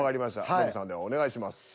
ノブさんではお願いします。